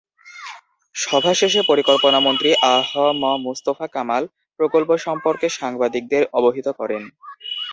সভাশেষে পরিকল্পনামন্ত্রী আ হ ম মুস্তফা কামাল প্রকল্প সম্পর্কে সাংবাদিকদের অবহিত করেন।